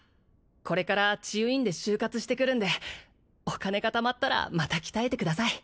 これから治癒院で就活してくるんでお金がたまったらまた鍛えてください